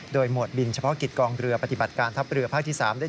โดยหมวดบินเฉพาะกิจกองเรือปฏิบัติการทัพเรือภาคที่๓ได้